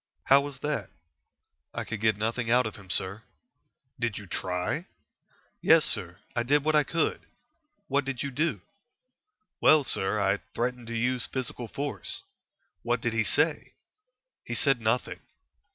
"How was that?" "I could get nothing out of him, sir." "Did you try?" "Yes, sir; I did what I could." "What did you do?" "Well, sir, I threatened to use physical force." "What did he say?" "He said nothing."